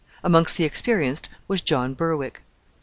Amongst the experienced was John Berwick.